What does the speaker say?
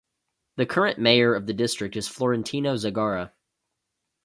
The current mayor of the district is Florentino Zegarra.